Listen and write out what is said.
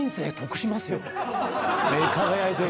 目輝いてるなぁ。